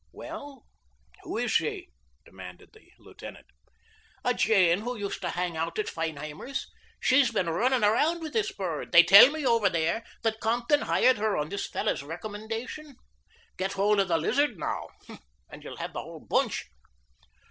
"Well, who is she?" demanded the lieutenant. "A jane who used to hang out at Feinheimer's. She has been runnin' around with this bird. They tell me over there that Compton hired her on this fellow's recommendation. Get hold of the Lizard now, and you'll have the whole bunch."